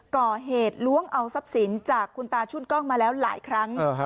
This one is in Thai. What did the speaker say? ก่อเหตุล้วงเอาทรัพย์สินจากคุณตาชุนกล้องมาแล้วหลายครั้ง